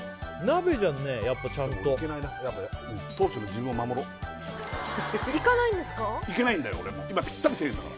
鍋じゃんねやっぱちゃんとやっぱ当初の自分を守ろういかないんですか？